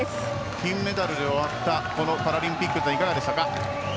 金メダルで終わったこのパラリンピックいかがでしたか？